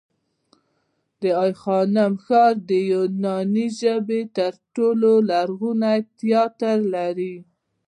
د آی خانم ښار د یوناني ژبې تر ټولو لرغونی تیاتر لري